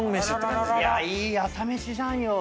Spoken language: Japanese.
いい朝飯じゃんよ。